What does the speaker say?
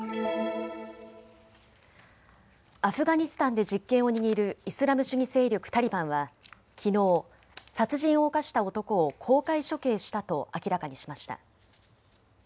アフガニスタンで実権を握るイスラム主義勢力タリバンはきのう、殺人を犯した男を公開処刑したと明らかにしました。